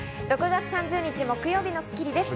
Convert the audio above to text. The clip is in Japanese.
６月３０日、木曜日の『スッキリ』です。